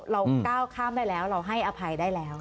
เราก้าวข้ามได้แล้วเราให้อภัยได้แล้ว